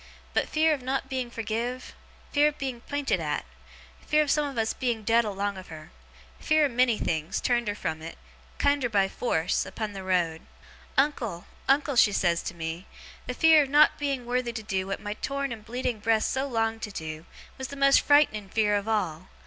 But, fear of not being forgiv, fear of being pinted at, fear of some of us being dead along of her, fear of many things, turned her from it, kiender by force, upon the road: "Uncle, uncle," she says to me, "the fear of not being worthy to do what my torn and bleeding breast so longed to do, was the most fright'ning fear of all!